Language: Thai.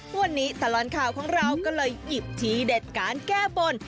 วันนี้ตลอดข่าวของเราก็เลยหยิบทีเด็ดการแก้บน